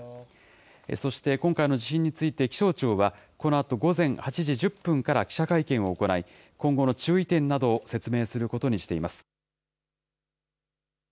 そして今回の地震について気象庁は、このあと午前８時１０分から記者会見を行い、今後の注意点などを説明することにしています。